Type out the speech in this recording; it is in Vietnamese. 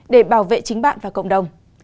để bảo vệ chính bạn và cộng đồng